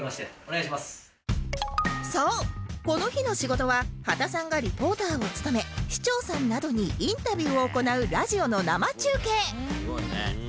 そうこの日の仕事は波田さんがリポーターを務め市長さんなどにインタビューを行うラジオの生中継